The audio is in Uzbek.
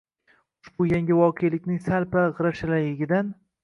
ushbu yangi voqelikning sal-pal g‘ira-shiraligidan